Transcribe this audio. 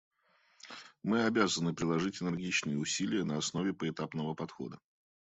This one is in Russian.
Мы обязаны приложить энергичные усилия на основе поэтапного подхода.